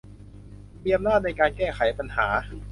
มีอำนาจในการแก้ไขปัญหา